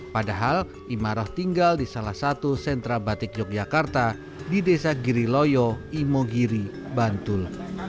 padahal imaroh tinggal di salah satu sentra batik yogyakarta di desa giriloyo imogiri bantul